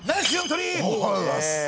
ありがとうございます。